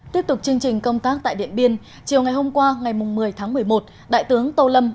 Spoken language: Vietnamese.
tiếp tục chương trình công tác tại điện biên chiều ngày hôm qua ngày một mươi tháng một mươi một đại tướng tô lâm